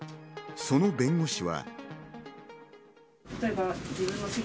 その弁護士は。